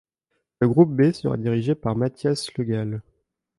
Le groupe B sera dirigé par Matthias Legall.